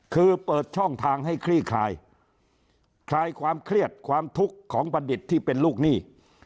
คือเปิดช่องทางให้คลี่คลายคลายความเครียดความทุกข์ของบัณฑิตที่เป็นลูกหนี้